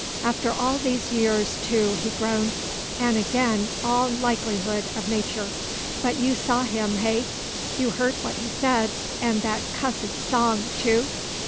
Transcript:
"After all these years, too," he groaned, "an' agen' all likelihood o' natur'. But you saw him hey? You heard what he said, an' that cussed song, too?